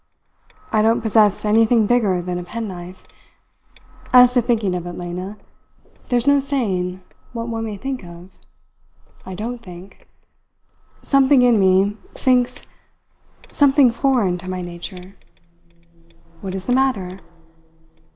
"I don't possess anything bigger than a penknife. As to thinking of it, Lena, there's no saying what one may think of. I don't think. Something in me thinks something foreign to my nature. What is the matter?"